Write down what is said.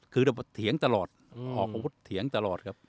คือเถียงตลอดออกอาวุธเถียงตลอดครับ